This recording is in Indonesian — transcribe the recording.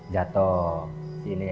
jatuh di sini ya